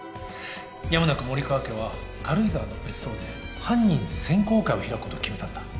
やむなく森川家は軽井沢の別荘で犯人選考会を開くことを決めたんだ。